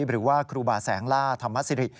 หรือว่าครูบาแสงล่าธรรมสิริ